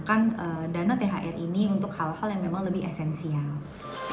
karena dana tr ini untuk hal hal yang memang lebih esensial